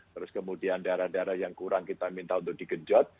terus kemudian daerah daerah yang kurang kita minta untuk digenjot